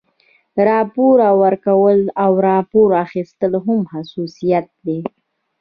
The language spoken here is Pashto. راپور ورکول او راپور اخیستل هم خصوصیات دي.